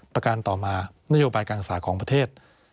ประการต่อมานโยบายการศึกษาของประเทศ